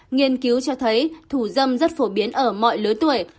nghiên cứu cho thấy thủ dâm rất phổ biến ở mọi lứa tuổi